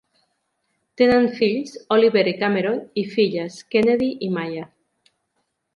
Tenen fills, Oliver i Cameron, i filles, Kennedy i Maya.